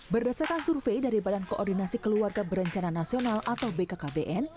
berdasarkan survei dari badan koordinasi keluarga berencana nasional atau bkkbn